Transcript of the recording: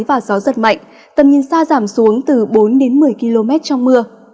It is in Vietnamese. và gió giật mạnh tầm nhìn xa giảm xuống từ bốn đến một mươi km trong mưa